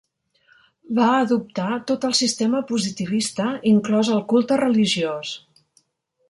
Va adoptar tot el sistema positivista, inclòs el culte religiós.